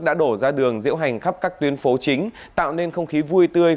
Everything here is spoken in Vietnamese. đã đổ ra đường diễu hành khắp các tuyến phố chính tạo nên không khí vui tươi